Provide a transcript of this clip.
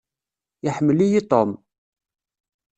Iḥemmel-iyi Tom.